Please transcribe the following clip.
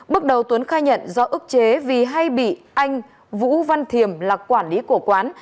bước đầu tuấn khai nhận do ức chế vì hay bị anh vũ văn thiềm là quản lý của quán